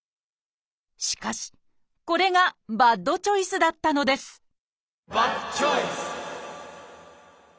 しかしこれがバッドチョイスだったのですバッドチョイス！